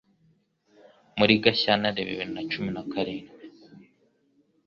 Muri Gashyantare bibiri na cumi na karindwi